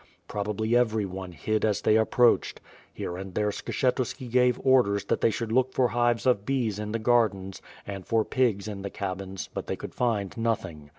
Probably everyone hid as they approached. Here and there Skshetuski gave orders that they should look for hives of bees in the gardens, and for pigs in the cabins but they could find nothing.